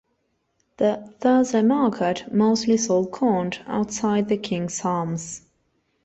The Thursday market mostly sold corn outside the King's Arms.